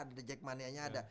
ada jack mania nya ada